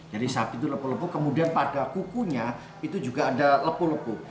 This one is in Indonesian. jadi sapi itu lepuh lepuh kemudian pada kukunya itu juga ada lepuh lepuh